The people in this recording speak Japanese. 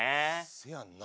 そやんな。